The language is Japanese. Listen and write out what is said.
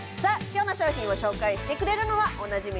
今日の商品を紹介してくれるのはおなじみ